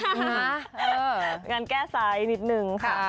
งานแก้ไซส์นิดนึงค่ะ